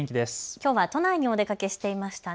きょうは都内にお出かけしていましたね。